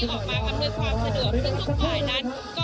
ขอบคุณครับ